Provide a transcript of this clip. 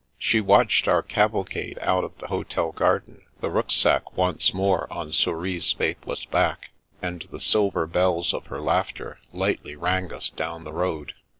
She watched our cavalcade out of the hotel garden (the rucksack once more on Sour is' faithless back), and the silver bells of her laughter lightly rang us down the road.